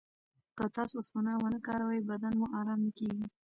که تاسو سونا ونه کاروئ، بدن مو ارام نه کېږي.